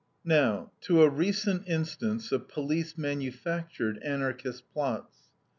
Now, to a recent instance of police manufactured Anarchist plots.